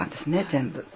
全部。